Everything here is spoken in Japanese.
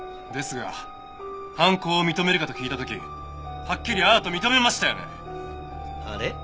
ですが犯行を認めるかと聞いた時はっきり「ああ」と認めましたよね？